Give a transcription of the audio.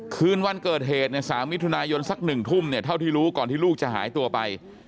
คืนวันเกิดเหตุเนี่ย๓มิถุนายนสัก๑ทุ่มเนี่ยเท่าที่รู้ก่อนที่ลูกจะหายตัวไป